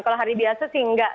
kalau hari biasa sih enggak